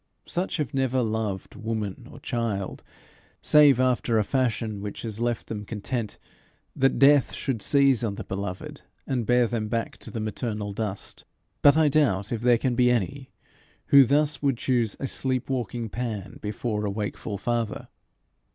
Such have never loved woman or child save after a fashion which has left them content that death should seize on the beloved and bear them back to the maternal dust. But I doubt if there can be any who thus would choose a sleep walking Pan before a wakeful Father.